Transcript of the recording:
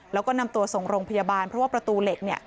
แล้วก็นำตัวส่งโรงพยาบาลเพราะว่าประตูเหล็ก